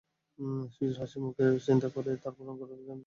শিশুর হাসি মুখের কথা চিন্তা করেই তাঁরা পূরণ করে দেন প্রতিটি আবদার।